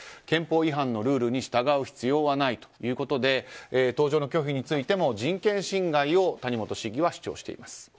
憲法違反のルールに従う必要はないということで搭乗の拒否についても人権侵害を谷本市議は主張しています。